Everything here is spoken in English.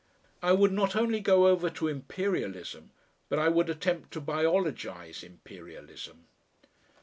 I would not only go over to Imperialism, but I would attempt to biologise Imperialism.